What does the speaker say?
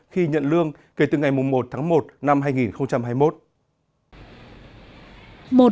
khi nhận lương kể từ ngày một tháng một năm hai nghìn hai mươi một